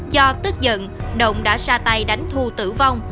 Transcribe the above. do tức giận động đã ra tay đánh thu tử vong